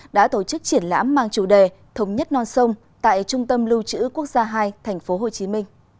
đã tổ chức triển lãm mang chủ đề thống nhất non sông tại trung tâm lưu trữ quốc gia hai tp hcm